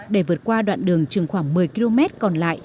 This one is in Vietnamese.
để vượt qua đoạn đường chừng khoảng một mươi km còn lại